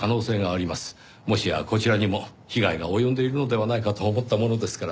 もしやこちらにも被害が及んでいるのではないかと思ったものですから。